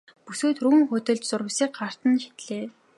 Бүсгүй түргэн хөдөлж зурвасыг гарт нь шидлээ.